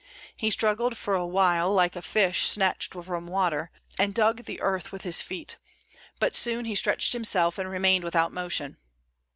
He struggled for a while like a fish snatched from water, and dug the earth with his feet; but soon he stretched himself and remained without motion.